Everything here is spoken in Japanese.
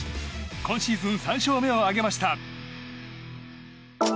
今シーズン３勝目を挙げました。